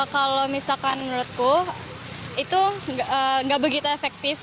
kalau misalkan menurutku itu nggak begitu efektif